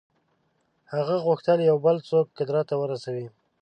هغه غوښتل یو بل څوک قدرت ته ورسوي.